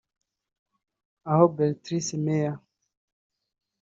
aho Béatrice Meyer